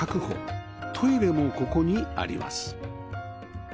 トイレもここにあります